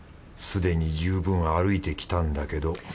すでに十分歩いてきたんだけど